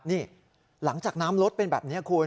นี่หลังจากน้ำลดเป็นแบบนี้คุณ